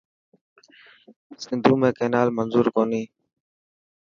سنڌو ۾ ڪينال منضور ڪوني.